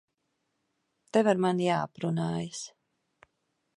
Tev ar mani jāaprunājas.